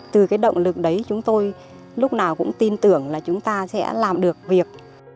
từ cái động lực đấy chúng tôi lúc nào cũng tin tưởng là chúng ta sẽ làm được việc